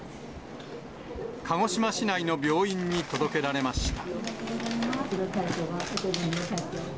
鹿児島市内の病院に届けられました。